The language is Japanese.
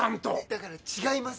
だから違います！